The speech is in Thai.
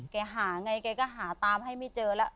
แกหาไงเกิดหาตามให้ไม่เจอละ